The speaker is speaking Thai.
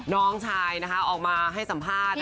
น้องชายออกมาให้สัมภาษณ์